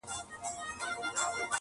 د ورځي سور وي رسوایي پکښي-